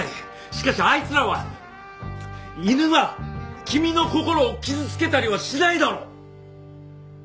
しかしあいつらは犬は君の心を傷つけたりはしないだろ！